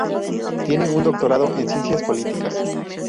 Tiene un doctorado en ciencias políticas.